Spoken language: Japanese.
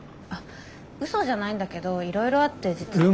あっ嘘じゃないんだけどいろいろあって実は。